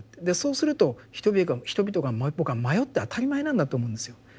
でそうすると人々が僕は迷って当たり前なんだと思うんですよ。